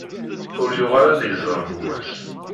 Ur yuɣal ad iẓer gma-s.